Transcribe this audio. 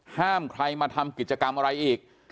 ห้ามใครมาทำกิจกรรมอะไรอีก